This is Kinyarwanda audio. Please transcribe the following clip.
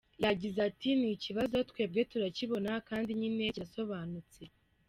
Yagize ati “Ni ikibazo twebwe turakibona kandi nyine kirasobanutse.